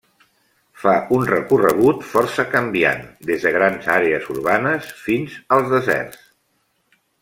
Fa un recorregut força canviant, des de grans àrees urbanes fins als deserts.